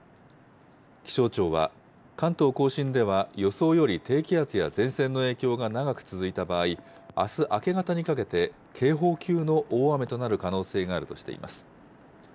気象庁は、関東甲信では予想より低気圧や前線の影響が長く続いた場合、あす明け方にかけて、警報級の大雨となる可能性があるとしています。